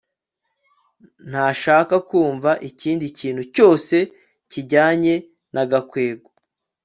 ntashaka kumva ikindi kintu cyose kijyanye na gakwego